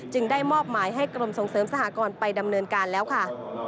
ได้มอบหมายให้กรมส่งเสริมสหกรณ์ไปดำเนินการแล้วค่ะ